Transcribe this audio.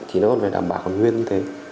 thì nó còn phải đảm bảo nguyên như thế